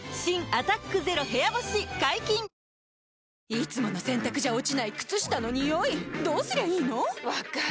いつもの洗たくじゃ落ちない靴下のニオイどうすりゃいいの⁉分かる。